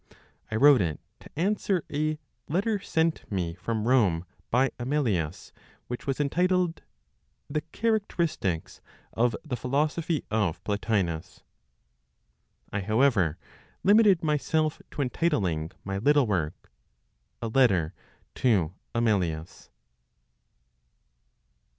I wrote it to answer a letter sent me from Rome by Amelius, which was entitled "The Characteristics of the Philosophy of Plotinos." I, however, limited myself to entitling my little work, "A Letter to Amelius."